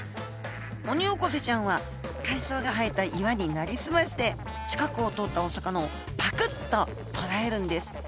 オニオコゼちゃんは海藻が生えた岩になりすまして近くを通ったお魚をパクッと捕らえるんです。